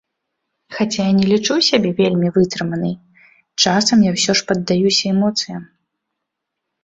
Хаця я не лічу сябе вельмі вытрыманай, часам я ўсё ж паддаюся эмоцыям.